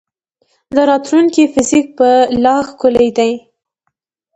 د راتلونکي فزیک به لا ښکلی دی.